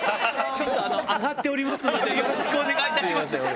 ちょっとあがっておりますので、よろしくお願いいたします。